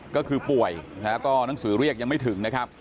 ก็คือป่วยนะฮะก็หนังสือเรียกยังไม่ถึงนะครับ